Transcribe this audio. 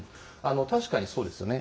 確かにそうですよね。